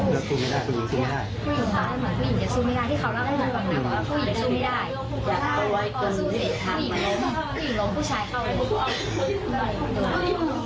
คุณผู้หญิงสู้ไม่ได้คุณผู้หญิงสู้ไม่ได้คุณผู้หญิงสู้ไม่ได้